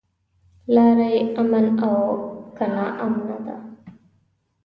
لاره يې امن او که ناامنه ده.